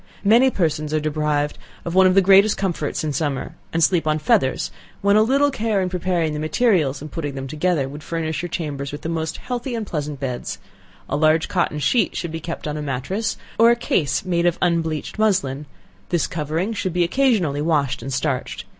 Many persons are deprived of one of the greatest comforts in summer, and sleep on feathers, when a little care in preparing the materials, and putting them together would furnish your chambers with the most healthy and pleasant beds; a large cotton sheet should be kept on a matress, or a case made of unbleached muslin, this covering should be occasionally washed and starched.